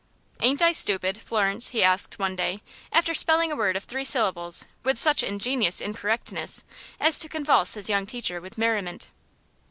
"Ain't I stupid, Florence?" he asked one day, after spelling a word of three syllables with such ingenious incorrectness as to convulse his young teacher with merriment.